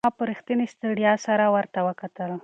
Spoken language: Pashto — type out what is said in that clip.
ما په رښتینې ستړیا سره ورته وکتل.